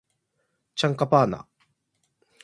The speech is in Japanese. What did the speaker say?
チャンカパーナ